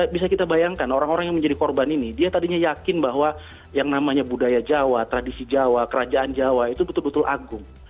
bisa kita bayangkan orang orang yang menjadi korban ini dia tadinya yakin bahwa yang namanya budaya jawa tradisi jawa kerajaan jawa itu betul betul agung